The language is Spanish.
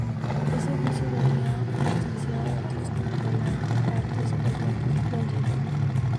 Ese juicio lo haría extensivo a otros, como Roland Barthes o Jacques Derrida.